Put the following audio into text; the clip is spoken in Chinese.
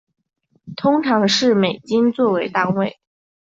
通常是美金做为单位。